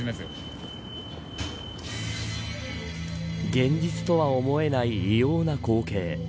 現実とは思えない異様な光景。